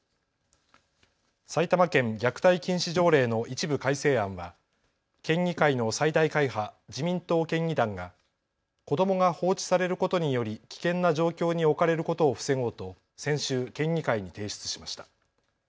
埼玉県虐待禁止条例の一部改正案は県議会の最大会派、自民党県議団が子どもが放置されることにより危険な状況に置かれることを防ごうと先週、県議会に提出しました。